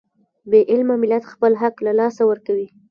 بې علمه ملت خپل حق له لاسه ورکوي.